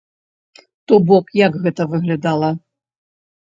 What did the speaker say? То бок як гэта выглядала?